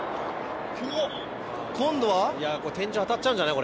天井当たっちゃうんじゃない？